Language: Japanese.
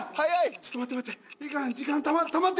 ちょっと待って待って。